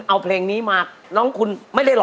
อะไรครับ